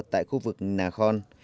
tại khu vực nà khon